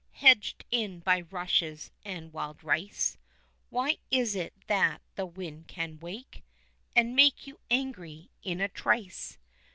Hedged in by rushes and wild rice, Why is it that the wind can wake And make you angry in a trice?